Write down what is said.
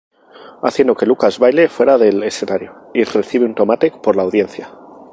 Haciendo que Lucas baile fuera del escenario y recibe un Tomate por la audiencia.